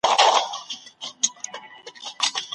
ډیپلوماسي د هیوادونو ترمنځ سوله ساتي.